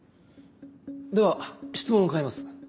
では質問を変えます。